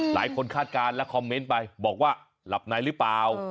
คาดการณ์และคอมเมนต์ไปบอกว่าหลับในหรือเปล่า